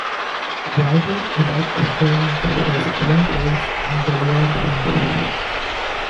Writing about Cockaigne was a commonplace of Goliard verse.